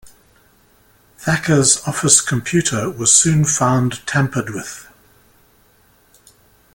Thakur's office computer was soon found tampered with.